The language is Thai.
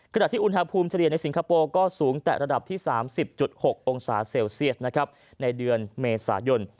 ขณะที่อุณหภูมิเฉลี่ยในสิงคโปร์ก็สูงแต่ระดับที่๓๐๖องศาเซลเซียสในเดือนเมษายน